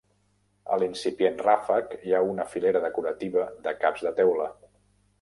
A l'incipient ràfec, hi ha una filera decorativa de caps de teula.